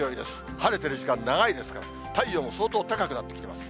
晴れてる時間長いですから、太陽も相当高くなってきています。